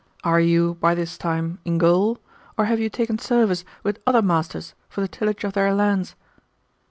Are you, by this time, in gaol, or have you taken service with other masters for the tillage of their lands?